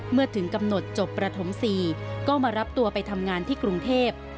เมื่อถึงกำหนดจบประถม๔ก็มารับตัวไปทำงานที่กรุงเทพ